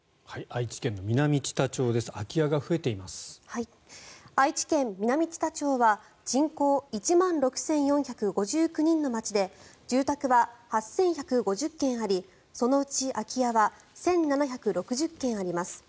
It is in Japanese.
愛知県南知多町は人口１万６４５９人の町で住宅は８１５０軒ありそのうち空き家は１７６０軒あります。